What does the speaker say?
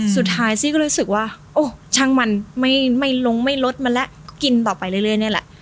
ซี่ก็รู้สึกว่าโอ้ช่างมันไม่ลงไม่ลดมาแล้วก็กินต่อไปเรื่อยนี่แหละ